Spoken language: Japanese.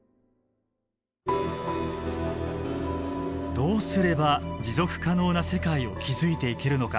どうすれば持続可能な世界を築いていけるのか。